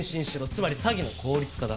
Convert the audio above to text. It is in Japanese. つまり詐欺の効率化だ。